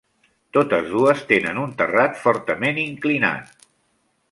Totes dues tenen un terrat fortament inclinat.